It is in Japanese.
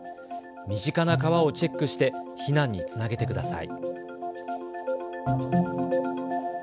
身近な川をチェックして避難につなげてください。